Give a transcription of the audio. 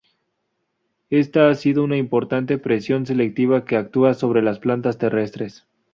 Esta ha sido una importante presión selectiva que actúa sobre las plantas terrestres.